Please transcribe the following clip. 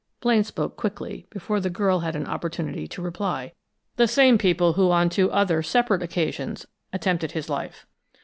Blaine spoke quickly, before the girl had an opportunity to reply. "The same people who on two other separate occasions attempted his life!"